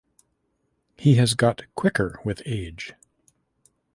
He has got quicker with age.